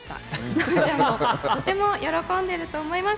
奈緒ちゃんもとても喜んでると思います。